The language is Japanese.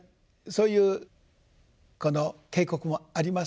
そういうこの渓谷もあります。